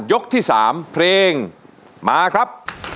ยกที่๓เพลงมาครับ